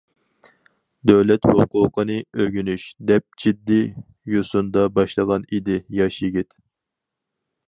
دۆلەت ھوقۇقىنى ئۆگىنىش... دەپ جىددىي يوسۇندا باشلىغان ئىدى ياش يىگىت.